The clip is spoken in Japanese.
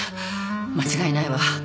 間違いないわ。